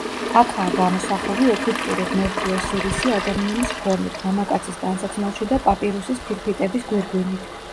აქაა გამოსახული ეგვიპტური ღმერთი ოსირისი ადამიანის ფორმით, მამაკაცის ტანსაცმელში და პაპირუსის ფირფიტების გვირგვინით.